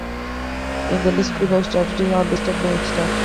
In the list below, statutes are listed by X Stat.